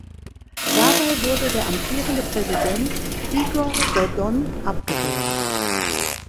Dabei wurde der amtierende Präsident Igor Dodon abgewählt.